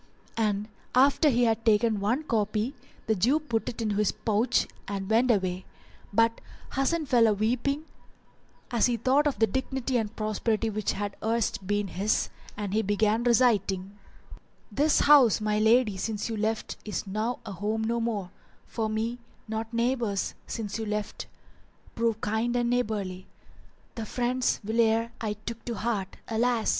And after he had taken one copy the Jew put it into his pouch and went away; but Hasan fell a weeping as he thought of the dignity and prosperity which had erst been his and he began reciting:— "This house, my lady, since you left is now a home no more * For me, nor neighbours, since you left, prove kind and neighbourly: The friend, whilere I took to heart, alas!